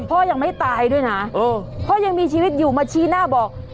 พ่อยังไม่ตายด้วยนะพ่อยังมีชีวิตอยู่มาชี้หน้าบอก